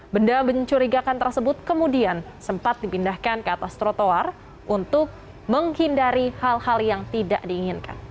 benda mencurigakan tersebut kemudian sempat dipindahkan ke atas trotoar untuk menghindari hal hal yang tidak diinginkan